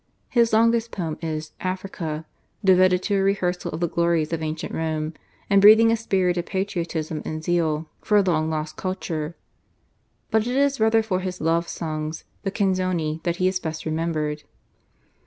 His longest poem is /Africa/, devoted to a rehearsal of the glories of ancient Rome and breathing a spirit of patriotism and zeal for a long lost culture, but it is rather for his love songs, the /canzoni/, that he is best remembered.